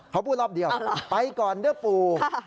เขาพูดรอบเดียวไปก่อนเด้อปู